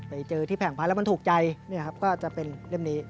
ไปเจอที่แผงพันธุ์แล้วมันถูกใจก็จะเป็นเล่มนี้